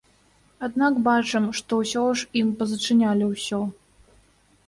Аднак бачым, што ўсё ж ім пазачынялі ўсё.